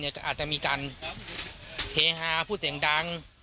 อาจจะมีการเฮฮาพูดเสียงดัง